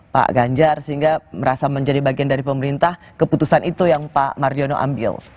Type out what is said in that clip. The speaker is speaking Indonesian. pak ganjar sehingga merasa menjadi bagian dari pemerintah keputusan itu yang pak mardiono ambil